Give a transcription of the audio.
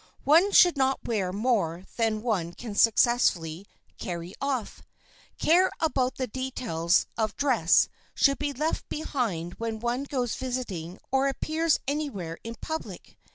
One should not wear more than one can successfully "carry off." Care about the details of dress should be left behind when one goes visiting or appears anywhere in public.